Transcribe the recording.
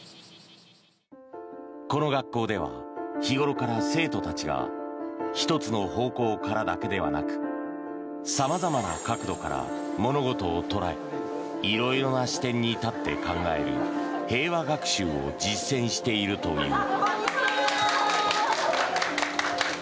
この学校では日頃から生徒たちが１つの方向からだけではなく様々な角度から物事を捉え色々な視点に立って考える平和学習を実践しているという。